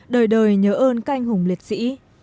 đời đời nhớ ơn các anh hùng liệt sĩ